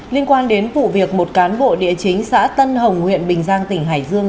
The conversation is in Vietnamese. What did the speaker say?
liên quan đến vụ việc một cán bộ địa chính xã tân hồng huyện bình giang tỉnh hải dương